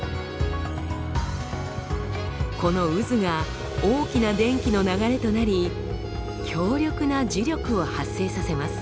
この渦が大きな電気の流れとなり強力な磁力を発生させます。